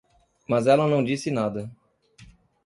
Mas ela não disse nada.